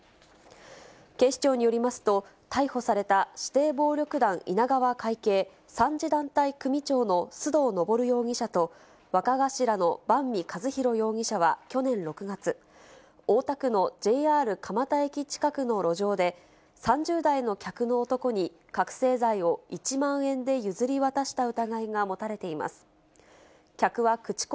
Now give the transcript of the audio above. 警視庁によりますと、逮捕された指定暴力団稲川会系三次団体組長の須藤昇容疑者と若頭のばんみ一浩容疑者は去年６月、大田区のＪＲ蒲田駅近くの路上で、３０代の客の男に、覚醒剤を１万円で譲り渡した疑いが持たれています。